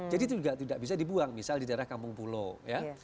jadi itu juga tidak bisa dibuang misal di daerah kampung pulo ya